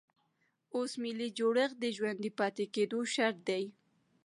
اوس ملي جوړښت د ژوندي پاتې کېدو شرط دی.